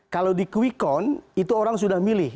kalau di kuikon itu orang sudah milih